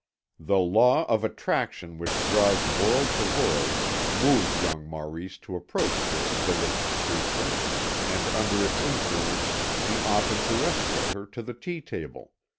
The law of attraction which draws world to world moved young Maurice to approach this delicious creature, and under its influence he offered to escort her to the tea table.